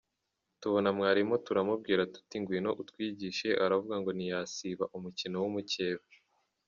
Tubona mwarimu turamubwira tuti ngwino utwigishe, aravuga ngo ntiyasiba umukino w’umukeba.